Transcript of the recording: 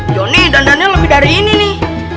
joni dan daniel lebih dari ini nih